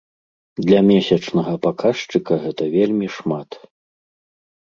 Для месячнага паказчыку гэта вельмі шмат.